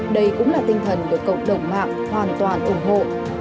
đây cũng là tinh thần được cộng đồng mạng hoàn toàn ủng hộ